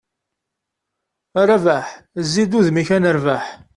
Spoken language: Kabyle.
A Rabaḥ! Zzi-d udem-k ad nerbeḥ.